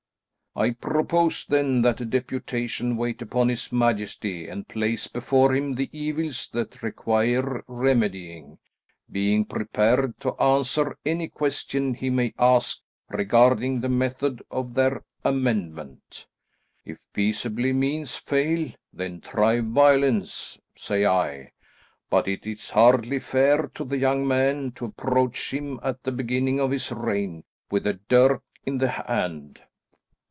I propose then that a deputation wait upon his majesty and place before him the evils that require remedying, being prepared to answer any question he may ask regarding the method of their amendment. If peaceable means fail, then try violence, say I, but it is hardly fair to the young man to approach him at the beginning of his reign with a dirk in the hand.